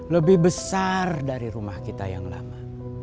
lebih besar dari rumah kita yang lama